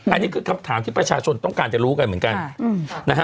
อันนี้คือคำถามที่ประชาชนต้องการจะรู้กันเหมือนกันนะฮะ